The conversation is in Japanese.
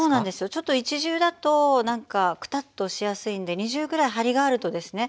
ちょっと一重だとなんかくたっとしやすいんで二重ぐらいはりがあるとですね